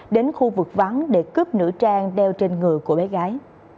đến khu vực vắng để cướp nữ trang đeo trên người của bé gái